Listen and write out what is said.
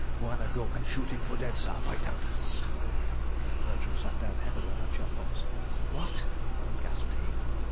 ... Bwana go and shoot him for dead, sah, by damn!" Bertram sat down heavily on a chop box. "What?" gasped he.